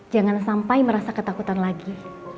jangan sampai merasa ketakutan lagi